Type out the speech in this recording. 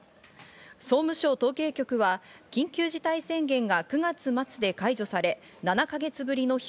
総務省統計局は緊急事態宣言が９月末で解除され、７か月ぶりの低